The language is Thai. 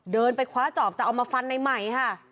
เดินไปคว้าจอบจะเอามาฟันในใหม่ค่ะ